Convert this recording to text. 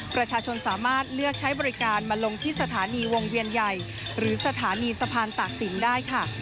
ประชาชนสามารถเลือกใช้บริการมาลงที่สถานีวงเวียนใหญ่หรือสถานีสะพานตากศิลป์ได้ค่ะ